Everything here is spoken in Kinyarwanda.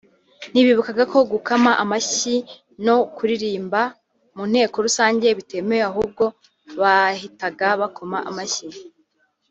ntibibukaga ko gukama amashyi no kuririmba mu nteko rusange bitemewe ahubwo bahitaga bakoma amashyi